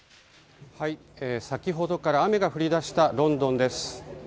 先ほどから雨が降り出したロンドンです。